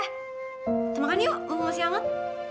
kita makan yuk ngomong masih hangat